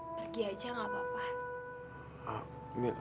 pergi aja gak apa apa